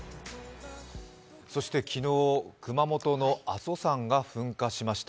昨日、熊本の阿蘇山が噴火しました。